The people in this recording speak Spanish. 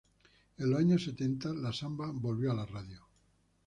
En los años setenta, la samba volvió a la radio.